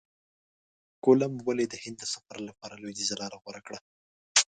کولمب ولي د هند د سفر لپاره لویدیځه لاره غوره کړه؟